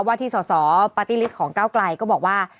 ว่าที่สอสอปาร์ตี้ลิสต์ของก้าวไกลก็บอกว่า